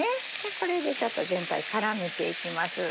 これでちょっと全体絡めていきます。